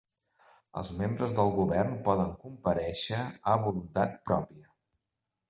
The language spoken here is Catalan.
Els membres del govern poden comparèixer a voluntat pròpia.